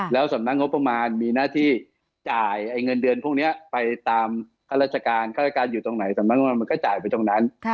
แล้วสำนักงบประมาณมีหน้าที่จ่ายเงินเดือนพวกนี้ไปตามข้าราชการข้าราชการอยู่ตรงไหนสำนักงานมันก็จ่ายไปตรงนั้น